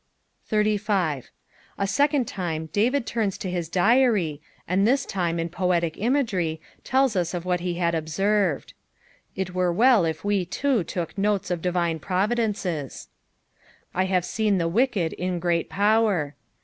as. A second time David turns to bis diary, and tbie time in poetic imagery tella OS of what he had obeerved. It were well if we too took notes of divine providences, "/ hove teen the widcod tn great ^ouief."